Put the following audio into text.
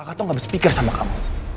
kaka tuh gak bisa pikir sama kamu